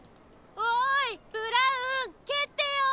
おいブラウンけってよ！